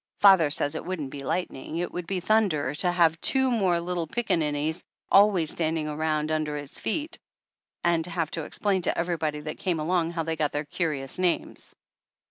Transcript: Father says it wouldn't be lightning, it would be thunder to have two more little pickaninnies always standing around under his feet and have to explain to everybody that came along how they got their curious names.